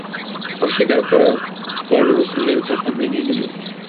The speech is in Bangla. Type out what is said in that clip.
অস্বীকার করার পর রাসূলের কথা মেনে নিল।